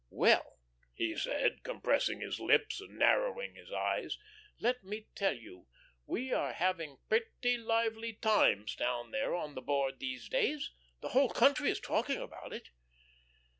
"Well," he said, compressing his lips, and narrowing his eyes, "let me tell you, we are having pretty lively times down there on the Board these days. The whole country is talking about it."